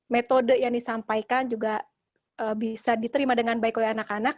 metode yang disampaikan juga bisa diterima dengan baik oleh anak anak